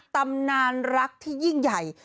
ตำนานรักที่ยิ่งใหญ่